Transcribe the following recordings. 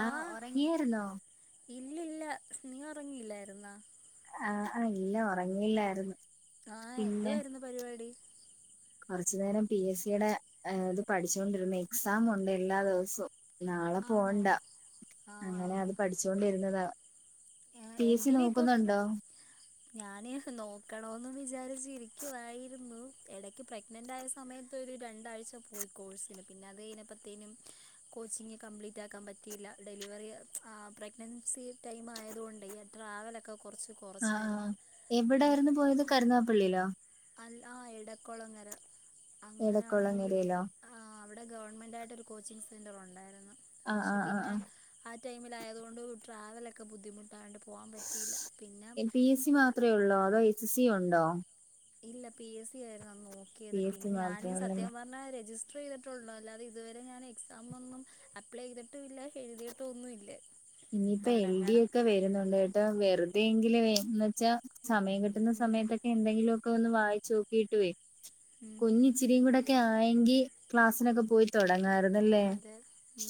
ആഹ് ഇല്ലല്ല. നീ ഉറങ്ങിയില്ലായിരുന്നോ. ആഹ്. ആഹ്. ഇല്ല. ഒറങ്ങിയില്ലായിരുന്നു. ആഹ്. എന്ത്‌ വരുന്നു പരിപാടി. ക്കൊറച്ചു നേരം പി എസ് സിയുടെ ഇത് പഠിച്ചോണ്ടിരുന്നു. എക്സാം ഉണ്ട് എല്ലാ ദിവസവും. നാളെ ആണോ പോണ്ട. ആ അങ്ങനെ അത് പഠിച്ചോണ്ടിരുന്നതാ. ആ പി. എ സി നോക്കുന്നുണ്ടോ. ഞാന് നോക്കണൊന്ന് വിചാരിച്ചിരിക്കുവായിരുന്നു. എടക്ക് പ്രഗ്നൻറ് ആയ സമയത്ത് ഒരു രണ്ടാഴ്ച പോയി കോഴ്സിന്. പിന്നെ അത് കഴിഞ്ഞപ്പത്തേനും. കോച്ചിങ്ങ് കംപ്ലീറ്റ് ആക്കാൻ പറ്റിയില്ല. ഡെലിവറി പ്രഗ്നൻസി ടൈം ആയതുകൊണ്ട്. ട്രാവലൊക്കെ ക്കൊറച്ച് ആഹ് ക്കൊറച്ചായിരുന്നു. എവിടായിരുന്നു പോയത്. കരുനാഗപ്പള്ളിയിലൊ. അല്ല ആഹ്. എടക്കൊളങ്ങര അങ്ങനാണെങ്കി എടക്കൊളങ്ങരയിലോ ആഹ് അവിടെ ഗവണ്മെൻറ് ആയിട്ടൊരു കോച്ചിങ്ങ് സെന്റർ ഉണ്ടായിരുന്നു. ആഹ് പക്ഷെ ആഹ് ആഹ് പിന്നെ ആഹ് ടൈമിലായയത് കൊണ്ട് ട്രാവലൊക്കെ ബുദ്ധിമുട്ടായോണ്ട്. പി എസ് സി മാത്ര ഒള്ളൊ, അതോ എച്ച് സി ഉണ്ടോ. ഇല്ല. പി എസ് സി ആയിരുന്നു അന്ന് നോക്കിയത്. പി എസ് സി പിന്നെ ഞാന് മാത്രമേ ഉള്ളല്ലേ സത്യം പറഞ്ഞ രജിസ് ചെയ്തിട്ടൊള്ളു. അല്ലാതെ ഇതുവരെ ഞാൻ എക്സാം ഒന്നും അപ്ലൈ ചെയ്തിട്ടുല്ല എഴുതിയിട്ടൊന്നുല്ല. ഇനിയിപ്പെ എൽ ഡി ഒക്കെ വരുന്നുണ്ട് കേട്ടൊ. വെറുതെങ്കില് എന്ന് വച്ചാ സമയം കിട്ടുന്ന ഉം സമയത്തൊക്കെ എന്തെങ്കിലു ഒക്കെ ഒന്ന് വായിച്ച് നോക്കിട്ട്വ ഉം കുഞ്ഞി ഇച്ചിരികൂടെക്കെ ആയെങ്കി ക്ലാസ്സിനൊക്കെ പോയി തൊടങ്ങായിരുന്നല്ലെ. അതെ ഉം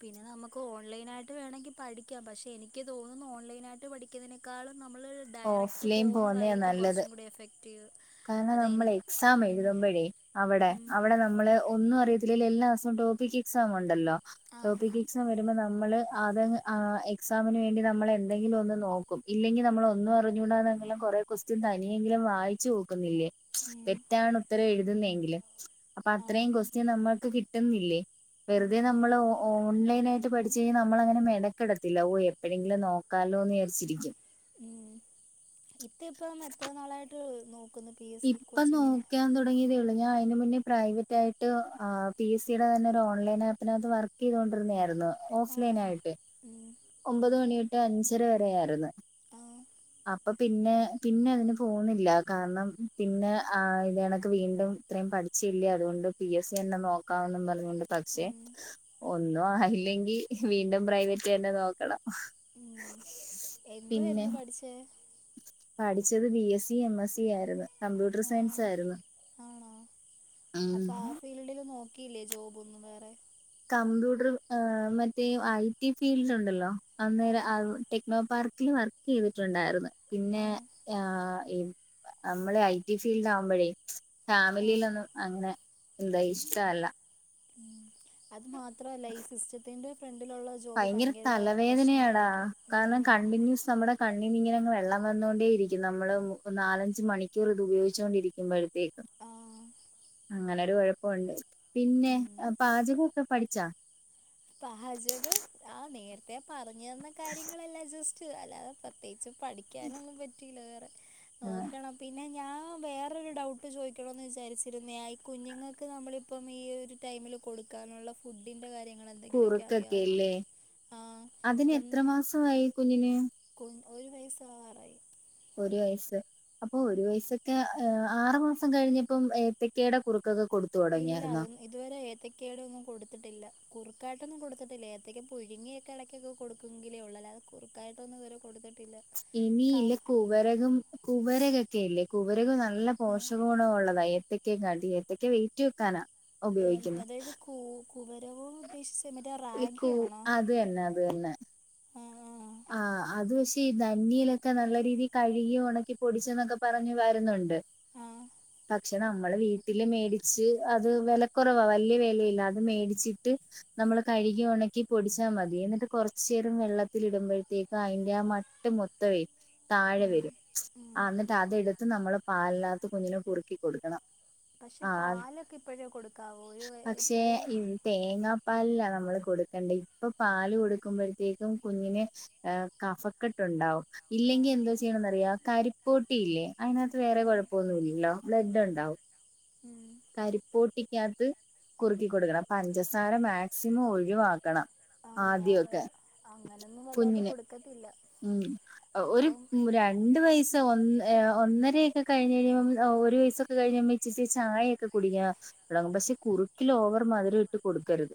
പിന്നെ നമക്ക് ഓൺലൈനായിട്ട് വേണമെങ്കി പഠിക്കാ. പക്ഷെ എനിക്ക് തോനുന്നു ഓൺലൈനായിട്ട് പഠിക്കുന്നതിനേക്കാളും നമ്മള് ഡയറക്റ്റ് ഓഫ്ലൈൻ പോവുന്നയാ പോവുന്നതായിരിക്കും നല്ലത് ക്കൊറച്ചും കൂടെ എഫക്ട്റ്റീവ്. കാരണം നമ്മള് എക്സാം എഴുതുമ്പഴേ അവിടെ ഉം അവിടെ ഉം നമ്മള് ഒന്നും അറിയത്തി ജില്ലല് എല്ലാ മാസവും ടോപ്പിക് എക്സാം ഇണ്ടല്ലോ. ആ ടോപ്പിക് എക്സാം വരുമ്പം നമ്മൾ അത് അങ്ങ് എക്സാമിന് വേണ്ടി നമ്മള് എന്തെങ്കിലും ഒന്ന് നോക്കും. ഇല്ലെങ്കി നമ്മള് ഒന്നും അറിഞ്ഞുകൂടാന്നകിലും കൊറെ കൊസ്റ്റ്യൻ തനിയെങ്കിലും വായിചോക്കും നോക്കുന്നില്ലെ ഉം തെറ്റാണ് ഉത്തരം എഴുതുന്നങ്കിലും അപ്പൊ ആ അത്രേം കൊസ് പിന്നെ നമ്മൾക്ക് കിട്ടുന്നില്ലേ വെറുതെ ഉം നമ്മള് ഓ- ഓൺലൈനായിട്ട് പഠിച്ച് കഴിഞ്ഞാൽ നമ്മള് അങ്ങനെ മെനക്കടത്തില്ല ഓഹ് എപ്പോഴെങ്കിലും നോക്കാലോന്ന് വിചരിച്ചിരിക്കും ഉം ഇത്ത ഇപ്പം എത്ര നാളായിട്ട് നോ- ഇപ്പം നോക്കാൻ തൊടങ്ങിയതേയുള്ളൂ ഞാൻ അതിന് മുന്നേ പ്രൈവറ്റ് ആയിട്ട് പി എസ് സിയുടെ തന്നെ ഒരു ഓൺലൈൻ ആപ്പിനകത്ത് വർക്ക് ചെയ്തൊണ്ടിരുന്നായിരുന്നു ഓഫ്‌ലൈൻ ആണോ ആയിട്ട് ഉം ഒമ്പത് മണിതോട്ട് അഞ്ചര വരെ ആയിരുന്നു അപ്പ ആ - അപ്പൊ പിന്നെ പിന്നെ അതിന് പോന്നില്ല കാരണം പിന്നെ ആഹ് ഇതേ കണക്ക്‌ വീണ്ടും- ഇത്രയും പഠിച്ചില്ലേ അതുകൊണ്ട് പി എസ് സി തന്നെ നോക്കാംമെന്നും പറഞ്ഞുകൊണ്ട് പക്ഷെ ഉം ഒന്നും ആയില്ലെങ്കി വീണ്ടും പ്രൈവറ്റ് തന്നെ നോക്കണം ഉം പിന്നെ എന്തുവായിരുന്നു പഠിച്ചേ പഠിച്ചത് B S C M S C ആയിരുന്നു കമ്പ്യൂട്ടർ ആ സയൻസ് ആയിരുന്നു ആണോ ഉം അപ്പൊ ആ ഫീൽഡില് നോക്കിയില്ലേ ജോബ് ഒന്നും വേറെ കമ്പ്യൂട്ടർ മറ്റേ ഈ ഐ ടി ഫീൽഡ് ഉണ്ടല്ലോ അന്നേരം ആഹ് അത് ടെക്നോ പാർക്കിൽ വർക്ക് ചെയ്തിട്ടുണ്ടായിരുന്നു പിന്നെ- ആഹ് ആഹ് നമ്മള് ഐടി ഫീൽഡ് ആവുമ്പോഴേ ആഹ് ഫാമിലിലൊന്നും അങ്ങനെ- എന്താ ഇഷ്ട്ടവല്ല ഉം അത് മാത്രല്ല ഈ സിസ്റ്റത്തിന്റെ ഫ്രണ്ടിലൊള്ള ഭയങ്കര തലവേദനേയാടാ കാരണം ഉം കൺടിൻന്യൂസ് നമ്മുടെ- കണ്ണിനിങ്ങനെങ്ങ് വെള്ളം വന്നോണ്ടേയിരിക്കും നമ്മള് നാലഞ്ച് മണിക്കൂർ ഇതു ഉപയോഗിച്ചോണ്ടിരിക്കുമ്പോഴത്തേക്കും. ആഹ് അങ്ങനൊരു കൊഴപ്പൊണ്ട് പിന്നെ ഉം പാചകവൊക്കെ പഠിച്ചാ പാചകം ആ നേരത്തെ പറഞ്ഞു തന്ന കാര്യങ്ങളല്ലാം ജസ് ടിച്ച് അല്ലാതെ പ്രത്യേകിച്ച് പഠിക്കാനൊന്നും പറ്റീല വേറെ ആഹ് നോക്കണം. പിന്നെ ഞാൻ വേറൊരു ഡൗട്ട് ചോയ്ക്കൊണോന്ന് വിചാരിച്ചിരുന്നയാ ഈ കുഞ്ഞുങ്ങൾക്ക് നമ്മളിപ്പം ഈ ഒരു ടൈമിൽ- കൊടുക്കാനുള്ള ഫുഡിന്റെ കാര്യങ്ങളെ കുറുക്കൊക്കെയില്ലേ അതിന് എത്ര മാസമായി കുഞ്ഞിന്. കുഞ്ഞി ഒരു വയസ്സാവാറായി. ഒരു വയസ്സ് അപ്പൊ ഒരു വയസൊക്കെ ഏഹ് ആറ് മാസം കഴിഞ്ഞപ്പം ഏത്തെക്കെടെ കുറുക്കൊക്കെ കൊടു ഇല്ല അതൊന്നും ഇതുവരെ ഏത്തക്കേടെ ഒന്നും കൊടുത്തിട്ടില്ല. കുറുക്കായിട്ടൊന്നും കൊടുത്തിട്ടില്ല ഏത്തക്ക പുഴുങ്ങിയ- ഇടക്കൊക്കെ കൊടുക്കുവെങ്കിലെ ഉള്ളൂ അല്ലാതെ കുറുക്കായിട്ടൊന്നും ഇതുവരെ കൊടുത്തിട്ടില്ല. ഇനി ക ഇല്ലെ കുവരകം കുവരകൊക്കെയില്ലേ കുവരകം ന നല്ല പോഷക ഗുണം ഉള്ളതാ ഏത്തക്കേക്കാട്ടി ഏത്തക്ക വെയിറ്റ് വെക്കാനാ. ഏഹ് ഉപയോഗിക്കുന്നത് അതായത് കൂ കുവരകോം - നീ ഉദേശിച്ചേ മറ്റേ ഈ കൂ റാഗിയാണോ അത് ആഹ് ആഹ് അത് പക്ഷെ ഈ ധന്യയിലൊക്കെ നല്ല രീതി കഴുകി ഒണക്കി പൊടിച്ച്ന്നൊക്കെ പറഞ്ഞ് വരുന്നുണ്ട്. ആ പക്ഷ് നമ്മള് വീട്ടില് മേടിച്ച് അത് വെല കൊറവാ വല്ലിയ വെലയില്ല അത് മേടിച്ചിട്ട്- നമ്മള് കഴുകി ഒണക്കി പൊടിച്ചാമതി എന്നിട്ട് കൊറച്ചേരം വെള്ള ഇതിൽ ഇടുമ്പോഴത്തേക്ക് അയ്ന്റെ ആ മട്ട് മൊത്തവെ താഴെ ആ വരും ആഹ് ന് അതെടുത്ത് നമ്മള് പാലിനകത്ത് കുഞ്ഞിന് കുറുക്കി കൊടുക്കണം. പക്ഷെ ആ പാലൊക്കെ ഇപ്പോഴേ കൊടുക്കാവോ ഒരു വയ് ഇപ്പഴേ- തേങ്ങാ പാലിലാ നമ്മള് കൊടുക്കേണ്ടെ. ഇപ്പ പാല് കൊടുക്കുമ്പഴ്ത്തേക്കും, കുഞ്ഞിന് കഫക്കെട്ട് ഉണ്ടാവും. ആ ഇല്ലെങ്കിൽ എന്തോ ചെയ്യണന്ന്റിയോ? കരിപ്പോട്ടിയില്ലെ. അതിനകത്ത് വേറെ കൊഴപ്പൊന്നുല്ലല്ലോ. ബ്ലഡ് ഉണ്ടാവും. ഉം കരിപ്പോട്ടിക്കകത്ത് കുറുക്കി കൊടുക്കണം. പഞ്ചസാര മാക്സിമം ഒഴിവാക്കണം. ആഹ്. ഞാ ആദ്യമൊക്കെ അങ്ങനൊന്നും വല്ലാടെ കുഞ്ഞിന് കൊടുക്കത്തില്ല. ഉം ഒരു അപ്പം മു രണ്ട് വയസ്സ് - - ഒ ഒന്നരയൊക്കെ കഴിഞ് കഴിമ്പം ഒരു വയസൊക്കെ കഴിയുമ്പോ ഇിച്ചിചി ചായയൊക്കെ കുടിക്കണം. തൊടങ്ങും. പക്ഷേ കുറുക്കിലോവർ മധുരം ഇട്ട് കൊടുക്കരുത്.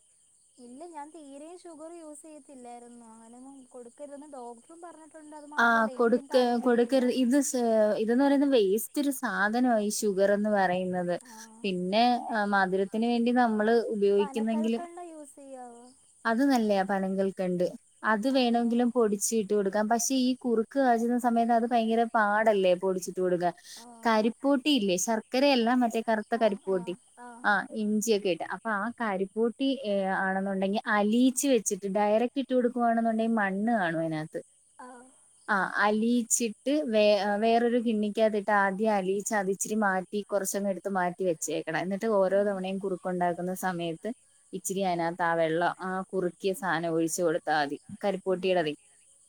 ഇല്ല ഞാൻ തീരേ ഷുഗർ യൂസീയത്തില്ലാരുന്നു. അങ്ങനെയൊന്നും കൊടുക്കരുതന്ന് ഡോക് പറഞ്ഞിട്ടുണ്ട്. അത് മാത്രല്ല. എനിക്കും താല്പര്യ ഇല്ല. ഏഹ് ഇതെന്ന് പറയുന്ന വേസ്റ്റ് ഒരു സാധന ഈ ഷുഗറെന്ന് പറയുന്നത്. ആഹ് പിന്നെ ആഹ് മധുരത്തിന് വേണ്ടി നമ്മള് ഉപയോഗിക്കുന്നെങ്കിൽ പനക്കൽക്കണ്ട യൂസെയ്യാവ്. അത് നല്ലയാ പനം കൽകണ്ട്. അത് ആഹ് വേണോങ്കിലും പൊടിച്ചി ഇട്ട് കൊടുക്കാം. പക്ഷെ ഈ കുറുക്ക് കാചുന്ന സമയത്ത് അത് ഭയങ്കര പാടല്ലേ പൊടിച്ചിട്ട് കൊടുക്കാൻ ആഹ് ആഹ് കരി പൂട്ടിയില്ലേ. ശർക്കരയല്ല മറ്റേ കറുത്ത ആഹ് കരിപ്പോടി ആഹ് ആഹ് ഇഞ്ച്യാെക്കെ ഇട. അപ്പൊ ആ കരിപ്പോട്ടി ഏ ആണെന്നുണ്ടെങ്കി അലിയിച്ച് വെച്ചിട്ട്ണ്ട്. ഡയറക്ട് ഇട്ട് കൊടുക്കുവാണെന്നുണ്ടെങ്കി മണ്ണ് കാണും അതിനകത്ത്. ആഹ് ആഹ് അലിയിച്ചിട്ട് വേ വേറൊരു കിണ്ണിക്കകത്തിട്ട് ആദ്യ അലിയിച്ച് അത് ഇച്ചിരി മാറ്റി. കൊറച്ചങ്ങെടുത്ത് മാറ്റി വെച്ചേക്ക്ണത്. ഇന്നി ട്ട് ഓരോ ഉം തവണയും കുറുക്കുണ്ടാക്കുന്ന സമയത്ത് ഇച്ചിരി അതിനകത്ത് ആ വെള്ളവ ആഹ് കുറുക്കിയ സാനം ഒഴിച്ചു കൊടുത്താമതി. ഉം കരിപ്പോട്ടിയുടേത്.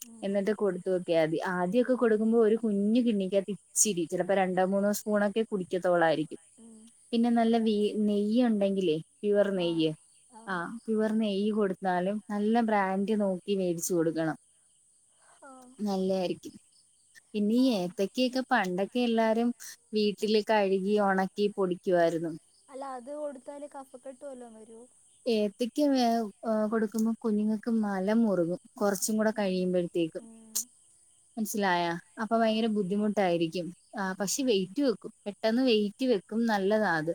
ഉം എന്നിട്ട് കൊടു [unintelligible] ആദ്യൊക്കെ കൊടുക്കുമ്പോ ഒരു കുഞ് കിണ്ണിക്കത്ത് ഇച്ചിരി. ചെലപ്പോ രണ്ടോ മൂന്നോ സ്പൂണൊക്കെ കുടിക്കത്തൊള്ളായിരിക്കും. ഉം. പിന്നെ നല്ല നെയ്യൊണ്ടെങ്കിലേ പ്യുവർ ആഹ് നെയ്യ്. ആഹ് പ്യുവ നെയ്യ് കൊടുത്താലും നല്ല ബ്രാൻഡ് നോക്കി മേടിച്ചു കൊടുക്കണം. ആഹ്. നല്ലായിരിക്കും. പിന്നീയ്യെ ആഹ് ക്കൊക്കെ പണ്ടൊക്കെ എല്ലാരും വീട്ടില് കഴുകി ഒണക്കി പൊടിക്ക്വായിരുന്നു. അല്ല അത് കൊടുത്താല് കഫക്കെട്ട് വല്ലോം വരോ? ഏത്തക്ക കൊടുക്കുമ്പോ കുഞ്ഞുങ്ങക്ക് മലം മുറുകും. കൊറച്ചും കൂടെ ഉം കഴിയുമ്പഴത്തേക്കും. ഉം മനസ്സിലായാ. അപ്പൊ ആഹ് ഭയങ്കര ബുദ്ധിമു ട്ടായിരിക്കും. ആ പക്ഷെ വെയിറ്റ് വെക്കും. പെട്ടെന്ന് വെയിറ്റ് വെക്കും. നല്ലതാ അത്.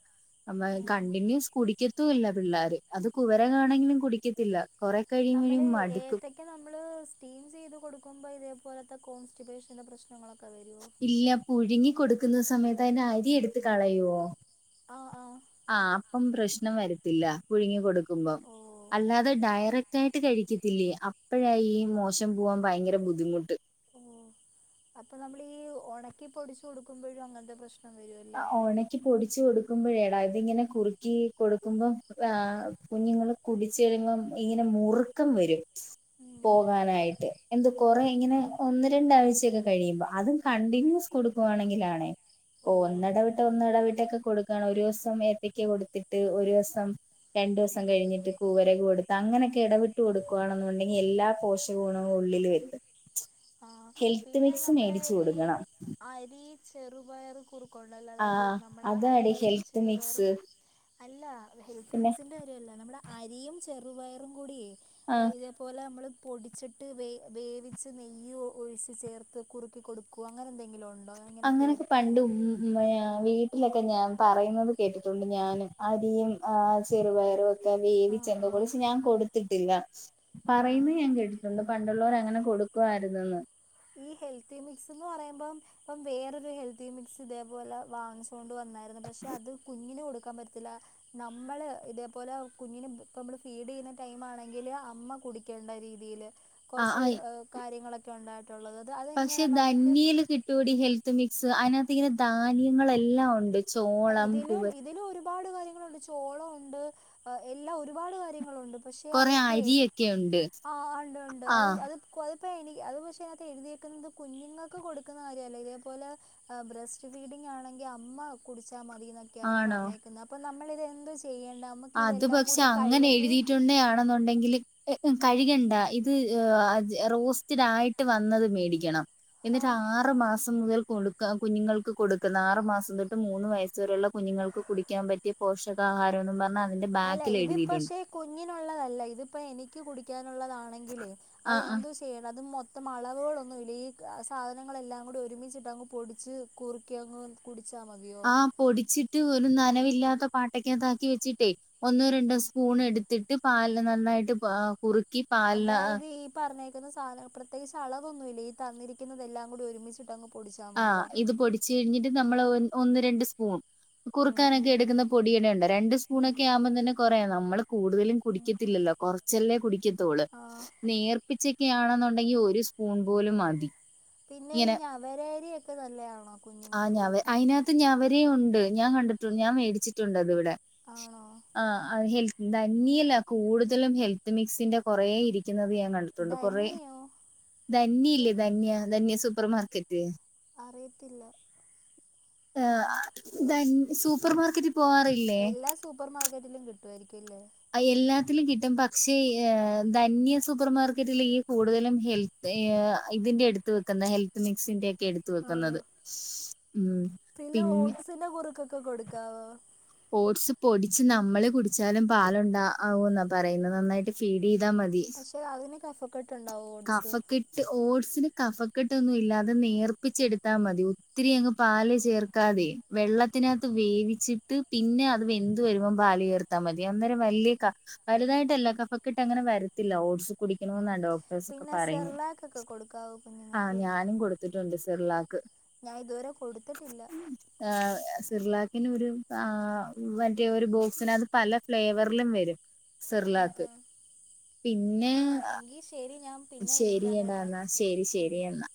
[unintelligible] ആഹ് കണ്ടിന്യൂസ് കുടിക്കത്തൂല്ല പിള്ളാര്. അത് കുവര കാണെങ്കിലും കുടിക്കത്തില്ല. കൊറെ കഴിയുമ്പോഴും നമ്മള് മടുക്കും ഏത്ത ക്ക നമ്മള് സ്റ്റീം ചെയ്ത് കൊടുക്കുമ്പോ ഇതേപോലത്തെ കോൺസ്റ്റിപേഷൻ്റെ പ്രശ്നങ്ങളൊക്കെ വെരോ? ഇല്ല പുഴുങ്ങി കൊടുക്കുന്ന സമയത്ത് അതിന്റെ അരി എടുത്ത് കളയോ? ആഹ്. ആഹ്. ആഹ്. അപ്പം പ്രശ്നം വരത്തില്ല പുഴുങ്ങി കൊടുക്കുമ്പം. ഓഹ് അല്ലാതെ ഡയറ ക്റ്റായിട്ട് കഴിക്കത്തില്ലേ. അപ്പഴാ ഈ മോശം പോകാൻ ഭയങ്കര ബുദ്ധിമുട്ട്. ഉം അപ്പൊ നമ്മളീ ഒണക്കി പൊടിച്ചു കൊടുക്കുമ്പഴും അങ്ങനത്തെ പ്രശ് അ ഒണക് ക്കി പൊടിച്ച് കൊടുക്കുമ്പഴേടാ ഇതിങ്ങനെ കുറുക്കി കൊടുക്കുമ്പം കുഞ്ഞുങ്ങള് കുടിച്ച് കഴിയുമ്പം ഇങ്ങനെ മുറുക്കം വെരും ഉം പോവാനായിട്ട് എന്ത ഉം കൊറെ ഇങ്ങനെ ഒന്ന് രണ്ടാഴ്ച്യക്കെ കഴിയുമ്പോ അതും കണ്ടിന്യൂസ് കൊടുക്കുവാണെങ്കിലാണേ ഓ ഓഹ് ഒന്നിടവിട്ട് ഒന്നിടവിട്ടൊക്കെ കൊടുക്കാണ് ഒരുസം ഏത്തക്ക് കൊടുത്തിട്ട് ഒരുസം രണ്ടൂസം കഴിഞ്ഞിട്ട് കൂവരക് കൊടുത്ത അങ്ങനെക്കെ എടവിട്ട് കൊടുക്കുവാണെന്നുണ്ടെങ്കി എല്ലാ പോഷ ഷക ഗുണവും ഉള്ളില് [unintelligible] ആഹ് പിന്നെ നമ്മടെ ഈ അരി ചെറുപയറ് കുർ കൊണ്ട്ള്ളതായത് ആഹ് നമ്മടെ അതാടി അരിയും ഹെൽത്ത് ചെറുപയറും മിക്സ് അല്ല ഹെൽത്തി പിന്നെ മിക്സിന്റര്യല്ല നമ്മുടെ അരിയും ചെറുപയറും കൂട്യേ ആഹ് ഇത് പോലെ നമ്മള് പൊടിച്ചിട്ട് വേ വേവിച്ച് നെയ് യ്യും ഒഴിച്ച് ചേർത്ത് കുറുക്കി കൊടുക്കൊ അങ്ങനെന്തെങ്കിലൊണ്ടോ ഞാങ്ങനെ അങ്ങനൊക്കെ പണ്ട് കേട്ടിട്ടുണ്ട് [unintelligible] വീട്ടിലൊക്കെ ഞാൻ പറയ്ന്നത് കേട്ടിട്ടുണ്ട് ഞാനും അരിയും ചെറുപയറു ക്കെ ആ വേവിച്ച എന്തോ ആ ക്ഷെ ഞാൻ കൊട്ത്തിട്ടില്ല പറയുന്ന ഞാൻ കേട്ടിട്ടുണ്ട് ആ ആ പണ്ടുള്ളോരങ്ങനെ കൊടുക്കുവായിരുന്നെന്ന് ഈ ഹെൽത്തി മിക്സ്ന്ന് പറയുമ്പം ഇപ്പം വേറൊരു ഹെൽത്തി മിക്സ് ഇതേപോലെ വാങ്ങിച്ച് കൊണ്ടുവന്നായിര്ന്നു പക്ഷെ അത് കുഞ്ഞിന് കൊടുക്കാൻ പറ്റത്തില്ല നമ്മള് ഇതേപോലെ കുഞ്ഞിന് ഇപ്പമ്മള് ഫീഡെയ്യുന്ന ടൈമാണെങ്കില് അമ്മ കുടി ക്കേണ്ട രീതീല് ആഹ് കൊറച്ച് ആഹ് കാര്യങ്ങളൊക്കെ ഒണ്ടായിട്ടുള്ളത് അത് അതെങ്ങനെ നമുക്ക് റ്റുടി ഹെൽത്ത് മിക്സ് അയ്നാത്തിങ്ങനെ ധാന്യങ്ങളെല്ലാം ഒണ്ട് അ ഇതിലും ഇതിലും ഒരുപാട് കാര്യങ്ങളുണ്ട് ചോളുണ്ട് എല്ലാ ഒരുപാട് കാര്യങ്ങളുണ്ട് പക്ഷെ കൊറെ അതൊക്കെ അരിയൊക്കെ ഉണ്ട് ആഹ് ഉണ്ട് ഉണ്ട് അത് ആഹ് അത് ക്കൊ അത്പ്പ എണീ അത് പക്ഷേ അതെഴുതിയേക്കുന്നത് കുഞ്ഞുങ്ങക്ക് കൊടുക്കുന്ന കാര്യല്ല ഇതേപോലെ ബ്രെസ്റ്റ് ഫീഡിങ്ങാണെങ്കി അമ്മ കുടിച്ചാ മതി ന്നൊക്യാണ് ആണോ പറഞ്ഞേക്കുന്നെ അപ്പം നമ്മളിതെന്തോ ചെയ്യേണ്ടേ അത് പക്ഷെ അങ്ങനെ എഴുതിയിട്ടുണ്ടേ ആണെന്നുണ്ടെങ്കില് ആഹ് കഴ്കണ്ട ത് അച് റോസ്റ്റഡായിട്ട് വന്നത് മേടിക്കണം എന്നിട്ട് ആഹ് ആറ് മാസം മുതൽ കൊടു ക്ക കുഞ്ഞുങ്ങൾക്ക് കൊടുക്കുന്ന ആറു മാസം തൊട്ട് മൂന്ന് വയസ് വരെയുള്ള കുഞ്ഞുങ്ങൾക്ക് കുടിക്കാൻ പറ്റിയ പോഷകാഹാരംന്നും പർ അല്ല ഇത് പക്ഷെ കുഞ്ഞിനുള്ളതല്ല ഇതിപ്പോ എനിക്ക് കുടിക്കാനുള്ളതാണ് ആ ആ [unintelligible] ചെയ്യണം അതും മൊത്തം അളവുകളൊന്നുല്ല ഈ സാധനങ്ങളെല്ലാം കൂടി ഒരുമിച്ചിട്ടങ്ങ് പൊടിച്ച് കുറുക്കി അങ്ങ് കുടിച്ചാ മതിയോ ആ പൊടിച്ചിട്ട് ഒരു നനവില്ലാത്ത പാട്ടക്കകതാക്കി വെച്ചിട്ടേ ഒന്നോ രണ്ടോ സ്പൂൺ എടുത്തിട്ട് പാലില് നന്നായിട്ട് കുറുക്കി പാലില് അതായത് ഈ പറഞ്ഞേക്കുന്ന സാധ പ്രത്യേകിച്ച് അളവൊന്നുല്ല ഈ തന്നിരിക്കുന്നതെല്ലാം കൂടി ഒരുമിച്ചിട്ടങ് ആഹ് ഇത് പൊടിച്ചു കഴിഞ്ഞിട്ട് നമ്മള് ഒന്ന് രണ്ട് സ്പൂൺ ഉം ഉം കുറുക്കാനൊക്കെ എടുക്കുന്ന പൊടിയെന്നൊണ്ട് രണ്ട് ഉം സ്പൂണൊക്കെ ആവുമ്പം തന്നെ കൊറെ നമ്മള് കൂടുതലും ഉം കുടിക്കത്തില്ലല്ലോ കൊറച്ചല്ലേ കുടിക്കത്തൊള്ളു ആഹ് നേർ പ്പിച്ചൊക്കാണെന്നുണ്ടെങ്കി ഒരു സ്പൂൺ പോലും മതി പിന്നെ ഈ ഞ്ഞവരരിയൊക്കെ നല്ലയാണോ ആഹ് കുഞ്ഞുങ്ങൾക്ക് ഞവ കൊടുക്കാൻ അയ്നാത്ത് ഞവരേ ഒണ്ട് ഞാൻ കണ്ടിട്ടുണ്ട് ഞാൻ വേടിച്ചിട്ടുണ്ട് അത് വടെ ആണോ ആഹ് അത് ഹെൽ ധന്യേലാ കൂടുതലും ഹെൽത്ത് മിക്സിന്റെ കൊറെ ഇരിക്കുന്നത് ഞാൻ കൺ ട്ടുണ്ട് കൊറെ ധന്യോ ധന്യ അത് ഇല്ലേ ധന്യ ധന്യ സൂപ്പർ മാർക്കറ്റ് അറിയത്തില്ല ഹ ആഹ് ഇതെൻ സൂപ്പർ മാർക്കറ്റ് പോവാറെ എല്ലാ സൂപ്പർ മാർക്കറ്റിലും കിട്ട്വായിരിക്ക്യും. അല്ലെ. എല്ലാത്തിലും കിട്ടും. പക്ഷേ ധന്യ സൂപ്പർമാർക്കറ്റില് ഈ കൂടുതലും ഹെൽത്ത് ഇതിന്റെ എടുത്ത് വെക്കുന്നെ. ഹെൽത്ത് മിക്സിന്റെ ഒക്കെ എടുത്ത ആണോ വെക്കുന്നത് ഉം. പിന്നെ ഓട്ട്സിന്റെ കുറുക്കൊക്കെ കൊടുക്കാവോ. ഓട്സ് പൊടിച്ച് നമ്മള് കുടിച്ചാലും പാലുണ്ടാ ആകു ഇന്നാ പറയുന്നത്. നന്നായിട്ട് ഫീഡ് ചെയ്താൽ മതി. പക്ഷെ അതിന് കഫ കെ ക്കെട്ടുണ്ടാവൊ. കഫക്കെട്ട് ട്ട്. ഓട്സിന് കഫക്കെട്ടൊന്നും ഇല്ല. അത് നേർപ്പിച്ചെടുത്താമതി. ഒത്തിരി അങ്ങ് പാൽ ചേർക്കാതെ. വെള്ളത്തിനകത്ത് വേവിച്ചിട്ട് പിന്നെ അത് വെന്ത് വരുമ്പം പൽചോർത്താൽ മതി. അന്നേരം വല്യ വലുതായിട്ടല്ല. കഫക്കെട്ട് അങ്ങനെ വരത്തില്ല. ഓട്ട്സ് കുടിക്കണമെന്നാ ഡോക്ട പിന്നെ പറയുന്നെ. സെർലാക്കൊക്കെ കൊടുക്കാവോ ആഹ് കുഞ്ഞുങ്ങൾക്ക് ഞാനും കൊടുത്തിട്ടുണ്ട് സെർലാക്ക്. ഞാൻ ഇതുവരെ കൊടുത്തിട്ടില്ല. ആ സെർലാക്കിന് ഒരു ആ മറ്റെ ഒരു ബോക്സിനകത്ത് അത് ഫ്ലേവറിലും വെരും. ആ സെർലാക്ക് ആ പിന്നെ. ഈ ശെരി ഞാം. ശെരിയടാ ഇന്നാ ശെരി ശെരി എന്നാ.